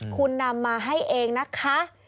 คุณนำมาให้เองนะคะ